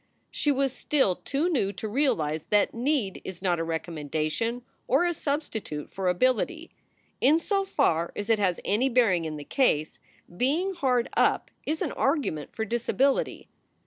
She was still too new to realize that need is not a recommendation or a substitute for ability. In so far as it has any bearing in the case, being hard up is an argument for disability.